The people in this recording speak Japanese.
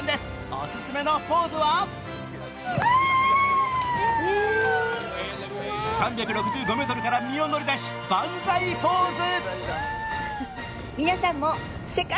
お勧めのポーズは３６５ｍから身を乗り出し万歳ポーズ！